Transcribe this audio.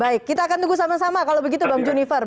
baik kita akan tunggu sama sama kalau begitu bang junifer